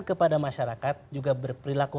kepada masyarakat juga berperilaku